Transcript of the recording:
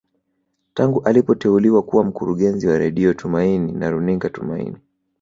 Tangu alipoteuliwa kuwa mkurungezi wa Radio Tumaini na runinga Tumaini